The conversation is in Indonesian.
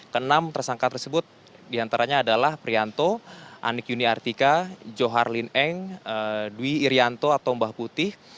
ke enam tersangka tersebut diantaranya adalah prianto anik yuni artika johar lineng dwi irianto atau mbah putih